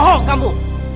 hah bohong kamu